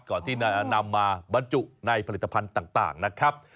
ก่อนที่นำมาบรรจุในผลิตภัณฑ์ต่างนะครับ